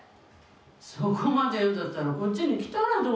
そこまで言うんだったらこっちに来たらどうよ？